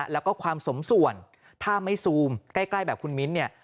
แล้วก็ความสมส่วนถ้าไม่ซูมใกล้แบบคุณมิ้นเนี่ย